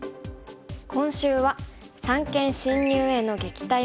今週は「三間侵入への撃退法」。